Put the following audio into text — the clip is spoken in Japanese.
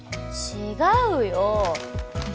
違うよ